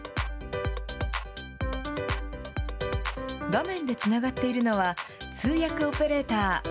画面でつながっているのは、通訳オペレーター。